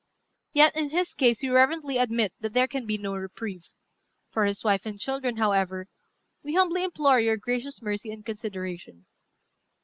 Yet in his case we reverently admit that there can be no reprieve. For his wife and children, however, we humbly implore your gracious mercy and consideration.